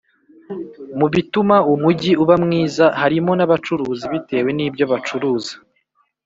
Mu bituma umujyi uba mwiza harimo n’abacuruzi bitewe nibyo bacuruza